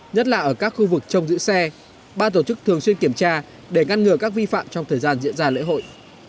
nhất là ở các khu vực trong giữ xe ba tổ chức thường xuyên kiểm tra để ngăn ngừa các vi phạm trong thời gian diễn ra lễ hội